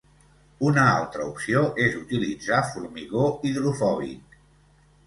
Una altra opció és utilitzar formigó hidrofòbic.